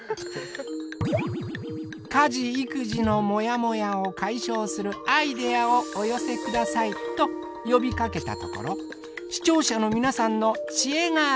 家事育児のもやもやを解消するアイデアをお寄せくださいと呼びかけたところ視聴者の皆さんのチエが集まりました。